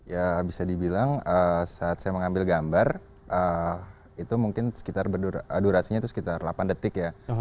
ya bisa dibilang saat saya mengambil gambar itu mungkin sekitar durasinya itu sekitar delapan detik ya